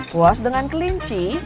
puas dengan kelinci